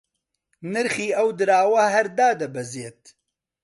نرخی ئەو دراوە هەر دادەبەزێت